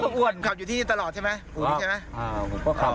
คุณขับอยู่ที่นี้ตลอดใช่ไหม